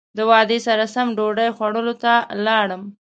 د وعدې سره سم ډوډۍ خوړلو ته لاړم.